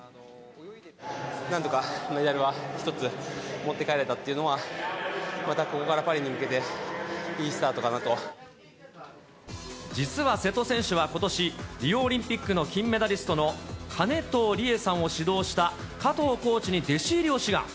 なんとかメダルは１つ持って帰れたというのは、またここからパリに向けて、いいスタートかな実は瀬戸選手はことし、リオオリンピックの金メダリストの金藤理絵さんを指導した加藤コーチに弟子入りを志願。